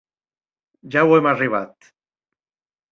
Ja auem arribat.